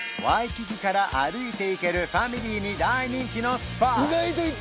ワイキキから歩いて行けるファミリーに大人気のスポット